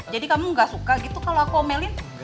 jadi kamu ga suka gitu kalo aku omelin